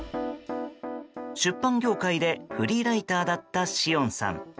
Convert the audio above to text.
出版業界でフリーライターだった紫苑さん。